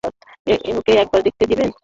ওকে একবার দেখতে দিবেন?